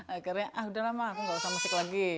akhirnya ah udah lama aku gak usah musik lagi